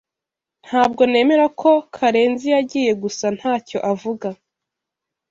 Ntabwo nemera ko Karenziyagiye gusa ntacyo avuga.